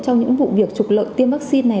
trong những vụ việc trục lợi tiêm vaccine này